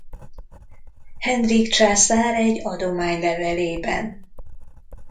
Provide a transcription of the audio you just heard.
Henrik császár egy adománylevelében.